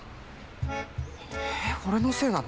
え俺のせいなの？